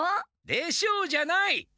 「でしょう？」じゃない！